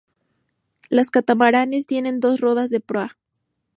Los catamaranes tienen dos rodas de proa.